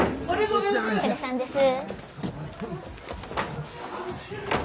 お疲れさんです。